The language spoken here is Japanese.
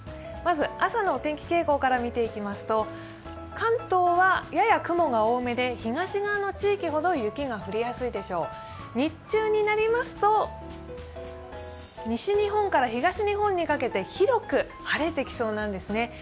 まず朝のお天気傾向から見ていきますと関東はやや雲が多めで、東側の地域ほど日中になりますと西日本から東日本にかけて広く晴れてきそうなんですね。